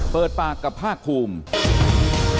เปิดปากกับภาคภูมิ